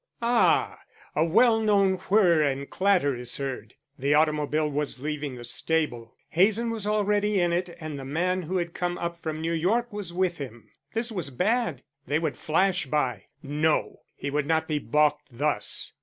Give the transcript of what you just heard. Ah! A well known whirr and clatter is heard. The automobile was leaving the stable. Hazen was already in it and the man who had come up from New York was with him. This was bad; they would flash by No; he would not be balked thus.